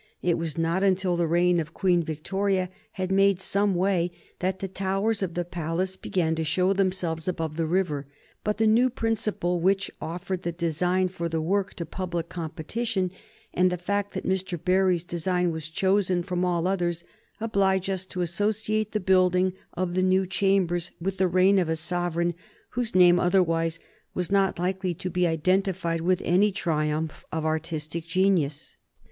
It was not until the reign of Queen Victoria had made some way that the towers of the palace began to show themselves above the river; but the new principle which offered the design for the work to public competition, and the fact that Mr. Barry's design was chosen from all others, oblige us to associate the building of the new chambers with the reign of a sovereign whose name otherwise was not likely to be identified with any triumph of artistic genius.